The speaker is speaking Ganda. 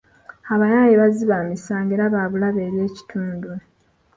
Abayaaye bazzi ba misango era ba bulabe eri ekitundu.